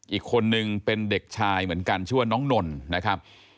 อีกคนนึงเป็นเด็กชายเหมือนกันชื่อว่าน้องนนนะครับ